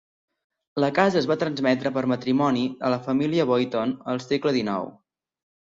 La casa es va transmetre per matrimoni a la família Boyton al segle XIX.